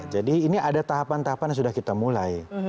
jadi ini ada tahapan tahapan yang sudah kita mulai